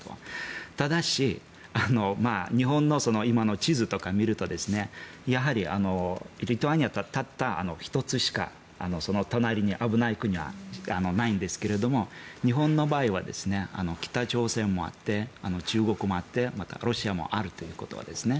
ただし日本の今の地図とかを見るとやはり、リトアニアたった１つしかその隣に危ない国はないんですが日本の場合は北朝鮮もあって、中国もあってまた、ロシアもあるということですね。